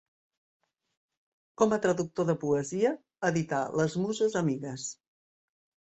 Com a traductor de poesia edità Les Muses amigues.